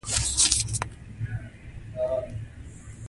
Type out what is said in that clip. دوی کولی شي چې د څپو شمېر وپیژني.